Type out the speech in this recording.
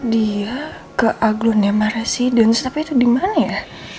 dia ke aglo nema residence tapi itu dimana ya